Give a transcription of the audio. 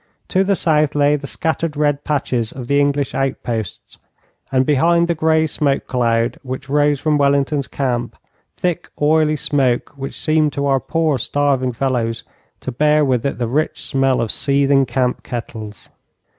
To the south lay the scattered red patches of the English outposts, and behind the grey smoke cloud which rose from Wellington's camp thick, oily smoke, which seemed to our poor starving fellows to bear with it the rich smell of seething camp kettles.